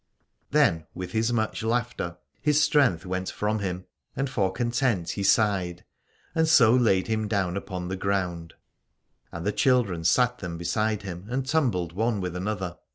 Then with his much laughter his strength went from him, and for content he sighed and so laid him down upon the ground : and the children sat them beside him and tumbled one with another.